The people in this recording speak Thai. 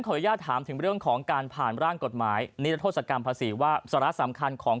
อนุญาตถามถึงเรื่องของการผ่านร่างกฎหมายนิรัทธศกรรมภาษีว่าสาระสำคัญของ